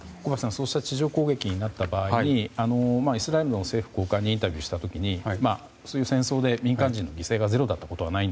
そうした地上攻撃になった場合イスラエルの政府高官にインタビューした時にそういう戦争で民間人の犠牲がゼロだったことはない。